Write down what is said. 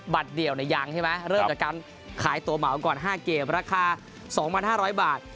บัตรเดียวยังใช่ไหมเริ่มกับการขายตั๋วเหมาก่อน๕เกมราคา๒๕๐๐บาท